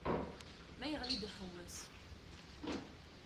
Ma yeɣli-d uḥewwes.